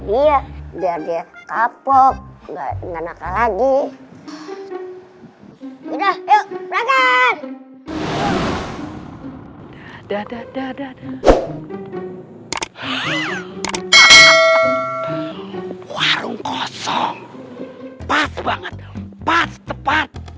dia biar dia kapok enggak enggak lagi udah yuk makan dadadadada warung kosong banget pas tepat